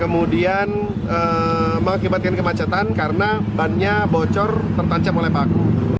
kemudian mengakibatkan kemacetan karena bannya bocor tertancap oleh paku